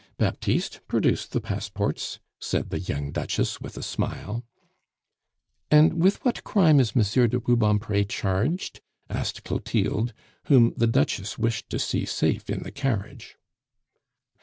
"Baptiste, produce the passports," said the young Duchess with a smile. "And with what crime is Monsieur de Rubempre charged?" asked Clotilde, whom the Duchess wished to see safe in the carriage.